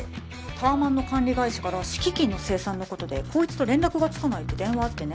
タワマンの管理会社から敷金の清算の事で紘一と連絡がつかないって電話あってね。